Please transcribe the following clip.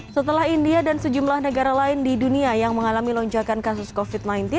setelah india dan sejumlah negara lain di dunia yang mengalami lonjakan kasus covid sembilan belas